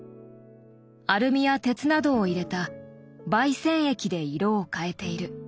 アルミや鉄などを入れた媒染液で色を変えている。